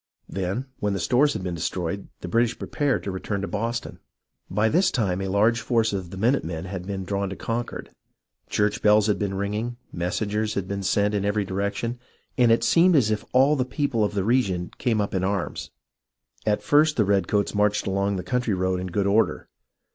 Then, when the stores had been destroyed, the British prepared to return to Boston. By this time a large force of the minute men had been drawn to Concord. Church bells had been ringing, mes sengers had been sent in every direction, and it seemed as if all the people of the region came up in arms. At first the redcoats marched along the country road in good order.